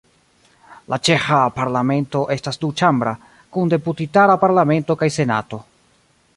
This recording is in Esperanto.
La ĉeĥa Parlamento estas duĉambra, kun Deputitara Parlamento kaj Senato.